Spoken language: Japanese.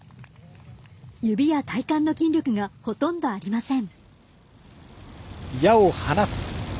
指や体幹の筋力がほとんどありません。